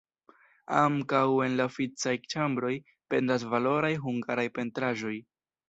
Ankaŭ en la oficaj ĉambroj pendas valoraj hungaraj pentraĵoj.